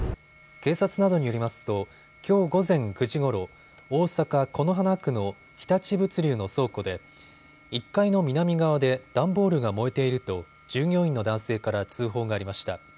警察などによりますときょう午前９時ごろ、大阪此花区の日立物流の倉庫で１階の南側で段ボールが燃えていると従業員の男性から通報がありました。